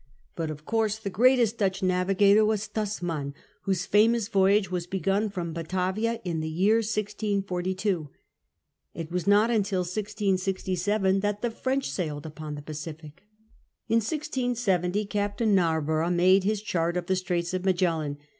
But of course the greatest Dutch navigator was Tasman, whose famous voyage was begun from Batavia in the year 1642. It was not until 1667 that the French sailed upon the Pacific. In 1670 Captain Narborough made his chart of the Straits of Magellan.